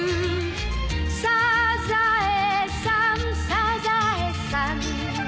「サザエさんサザエさん」